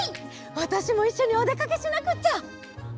わたしもいっしょにおでかけしなくっちゃ！